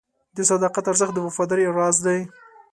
د صداقت ارزښت د وفادارۍ راز دی.